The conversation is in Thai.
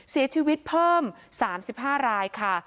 เสียชีวิตเพิ่ม๓๕รายค่ะ